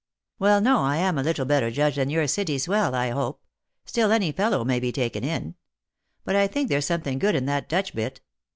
55 " Well, no, I am a little better judge than your City swell, I hope. Still any fellow may be taken in. But I think there's something good in that Dutch bit.